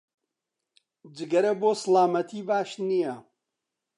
جگەرە بۆ سڵامەتی باش نییە